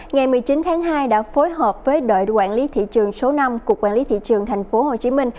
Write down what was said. ngày một mươi chín tháng hai đã phối hợp với đội quản lý thị trường số năm của quản lý thị trường tp hcm